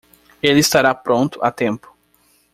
Ele estará pronto a tempo.